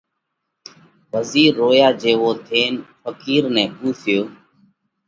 وزِير رويا جيوو ٿينَ ڦقِير نئہ پُونسيو: